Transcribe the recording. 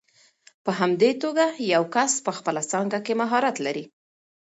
په همدې توګه یو کس په خپله څانګه کې مهارت لري.